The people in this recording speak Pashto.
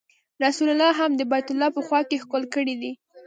رسول الله هم د بیت الله په خوا کې ښکل کړی دی.